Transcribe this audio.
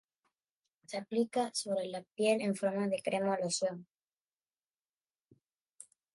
Se aplica sobre la piel en forma de crema o loción.